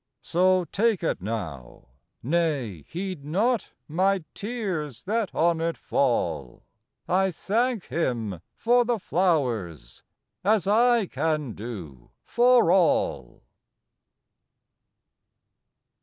So take it now,—nay, heed not My tears that on it fall; I thank Him for the flowers, As I can do for all.